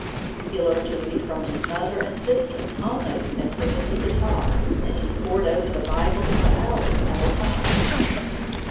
He learned to read from his mother and sister almost as soon as he could talk, and he pored over the Bible for hours at a time.